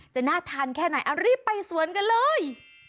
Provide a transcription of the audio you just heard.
จะน่าทานแค่ไหนรีบไปสวนกันเลย